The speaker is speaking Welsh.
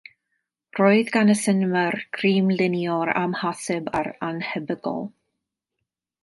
Roedd gan y sinema'r grym i lunio'r amhosib a'r annhebygol